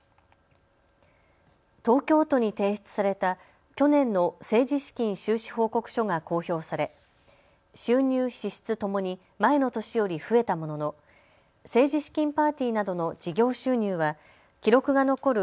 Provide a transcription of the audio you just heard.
東京都に提出された去年の政治資金収支報告書が公表され収入・支出ともに前の年より増えたものの政治資金パーティーなどの事業収入は記録が残る